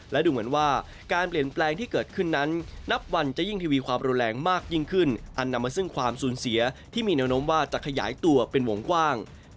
และดูเหมือนว่าการเปลี่ยนแปลงที่เกิดขึ้นนั้นนับวันจะยิ่งทีวีความรุนแรงมากยิ่งขึ้นอันนำมาซึ่งความสูญเสียที่มีแนวโน้มว่าจะขยายตัวเป็นวงกว้าง